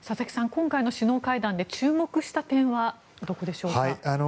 今回の首脳会談で注目した点はどこでしょうか？